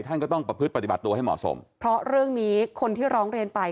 ท่านก็ต้องประพฤติปฏิบัติตัวให้เหมาะสมเพราะเรื่องนี้คนที่ร้องเรียนไป